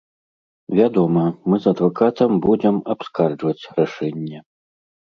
Вядома, мы з адвакатам будзем абскарджваць рашэнне.